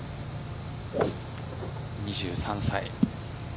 ２３歳。